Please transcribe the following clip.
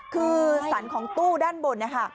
คือสรรของตู้ด้านบนนะคะ